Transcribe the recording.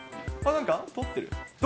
なんか、取ってる。